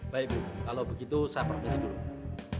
baik bu kalau begitu saya profesi dulu